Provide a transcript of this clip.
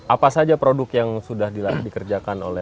apa saja produk yang sudah dikerjakan oleh